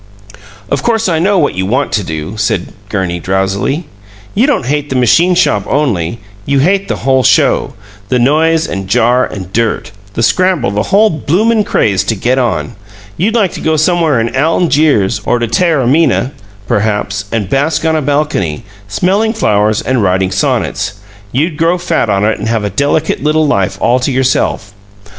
"Of course I know what you want to do," said Gurney, drowsily. "You don't hate the machine shop only; you hate the whole show the noise and jar and dirt, the scramble the whole bloomin' craze to 'get on.' You'd like to go somewhere in Algiers, or to Taormina, perhaps, and bask on a balcony, smelling flowers and writing sonnets. You'd grow fat on it and have a delicate little life all to yourself.